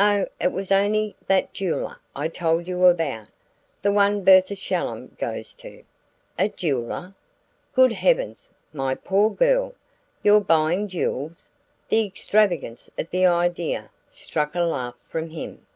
"Oh, it was only that jeweller I told you about the one Bertha Shallum goes to." "A jeweller? Good heavens, my poor girl! You're buying jewels?" The extravagance of the idea struck a laugh from him.